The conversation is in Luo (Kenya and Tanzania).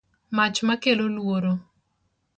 mach ma kelo luoro